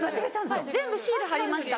・全部シール貼りました